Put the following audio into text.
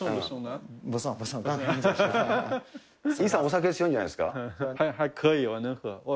李さん、お酒強いんじゃないですか？